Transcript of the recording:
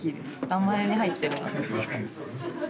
名前に入ってるの。